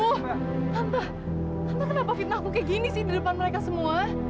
tante tante kenapa fitnahku kayak gini sih di depan mereka semua